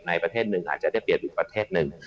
ประเทศหนึ่งอาจจะได้เปรียบอยู่ประเทศหนึ่ง